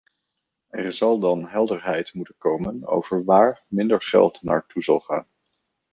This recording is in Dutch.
Er zal dan helderheid moeten komen over waar minder geld naar toe zal gaan.